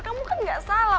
kamu kan nggak salah